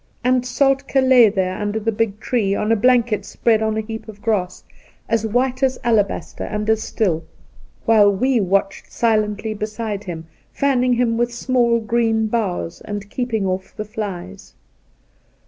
And Soltk^ lay there, under the big tree, on a blanket spread on a heap of grass, as white as alabaster and as still, while we watched silently beside him, fanning him with small green boughs, and keeping ofi" the flies.